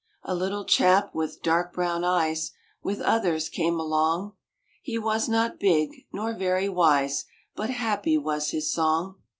A little chap with dark brown eyes, With others, came along; He was not big, nor very wise, But happy was his song.